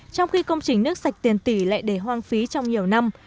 trong khi công trình nước sạch tiền tỷ lệ để hoang phí trong nhiều năm